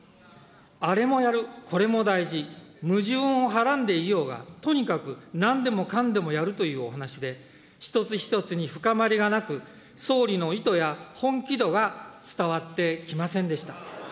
あれもやる、これも大事、矛盾をはらんでいようが、とにかくなんでもかんでもやるというお話で、一つ一つに深まりがなく、総理の意図や本気度が伝わってきませんでした。